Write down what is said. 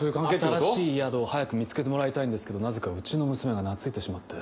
新しい宿を早く見つけてもらいたいんですけどなぜかうちの娘が懐いてしまって。